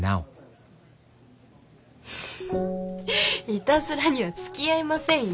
いたずらにはつきあいませんよ。